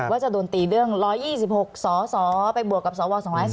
ว่าจะโดนตีเรื่อง๑๒๖สสไปบวกกับสว๒๔